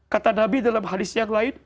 kata nabi dalam hadis yang lain